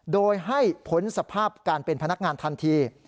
โดยให้พ้นสภาพการเป็นพนักงานทันที